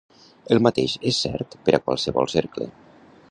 El mateix és cert per a qualsevol cercle.